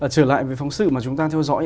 trở lại với phóng sự mà chúng ta theo dõi